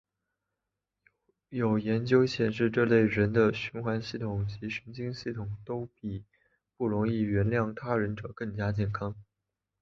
有研究显示这类人的循环系统及神经系统都比不容易原谅他人者更加健康。